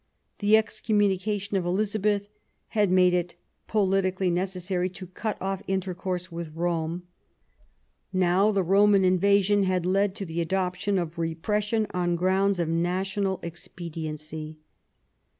The excommunication of Elizabeth had made it politi cally necessary to cut off intercourse with Rome. Now the Roman invasion had led to the adoption of repression on grounds of national expediency.